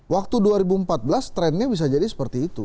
waktu dua ribu empat belas trennya bisa jadi seperti itu